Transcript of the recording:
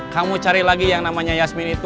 kamu cari lagi yang namanya yasmin itu